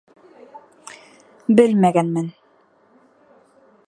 Белмәгәнмен...